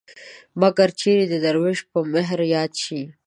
مګر چېرې د دروېش په مهر ياد شي